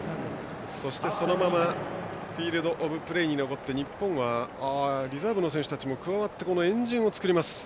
そしてそのままフィールドオブプレーに残って日本は、リザーブの選手たちも加わって円陣を作りました。